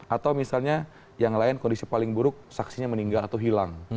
atau misalnya yang lain kondisi paling buruk saksinya meninggal atau hilang